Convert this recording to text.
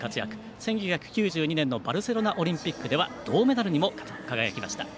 １９９２年のバルセロナオリンピックでは銅メダルにも輝きました。